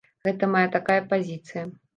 Гэта мая такая пазіцыя.